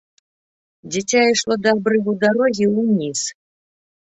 Дзіця ішло да абрыву дарогі ўніз.